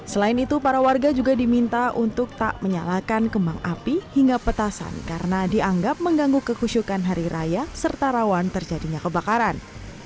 selain itu para warga juga diminta untuk tak menyalakan kembang api hingga petasan karena dianggap mengganggu kekusyukan hari raya serta rawan terjadinya kebakaran